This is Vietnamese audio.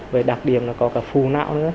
với đặc điểm là có cả phù nã nữa